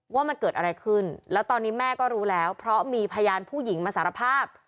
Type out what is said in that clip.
ว่ามันเกิดอะไรขึ้นแล้วตอนนี้แม่ก็รู้แล้วเพราะมีพยานผู้หญิงมาสารภาพ